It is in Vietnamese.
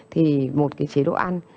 thì một cái chế độ ăn